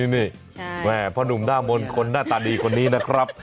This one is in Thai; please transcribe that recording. นี่แม่พ่อหนุ่มหน้ามนต์คนหน้าตาดีคนนี้นะครับ